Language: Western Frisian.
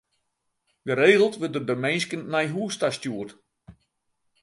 Geregeld wurde der minsken nei hûs ta stjoerd.